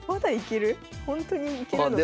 ほんとにいけるのか？